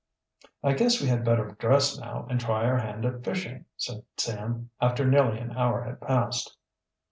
"I guess we had better dress now and try our hand at fishing," said Sam after nearly an hour had passed.